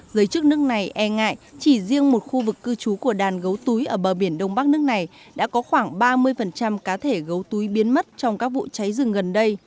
giới chức nước này e ngại chỉ riêng một khu vực cư trú của đàn gấu túi ở bờ biển đông bắc nước này đã có khoảng ba mươi cá thể gấu túi biến mất trong các vụ cháy rừng gần đây